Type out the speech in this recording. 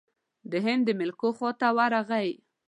هند د ملوکو خواته ورغی.